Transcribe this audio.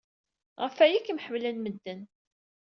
Ɣef waya ay kem-ḥemmlen medden.